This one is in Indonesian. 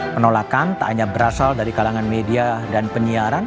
penolakan tak hanya berasal dari kalangan media dan penyiaran